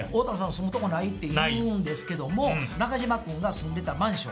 住むとこないって言うんですけども中島君が住んでたマンション。